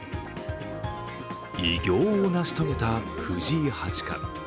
偉業を成し遂げた藤井八冠。